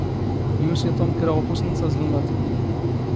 ⵢⵓⵙⵉ ⵜⵓⵎ ⴽⵔⴰ ⴳ ⵓⴼⵓⵙ ⵏⵏⵙ ⴰⵥⵍⵎⴰⴹ.